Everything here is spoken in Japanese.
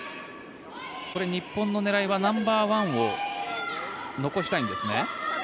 日本の狙いはナンバーワンを残したいんですね。